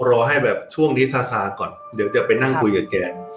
รอให้แบบช่วงนี้ซาซาก่อนเดี๋ยวจะไปนั่งคุยกับแก